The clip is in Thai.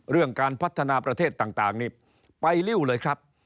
เรื่องการพัฒนาประเทศต่างนี่ไปริ้วเลยครับ